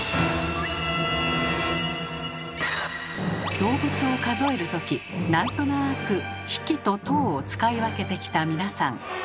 動物を数える時なんとなく「匹」と「頭」を使い分けてきた皆さん。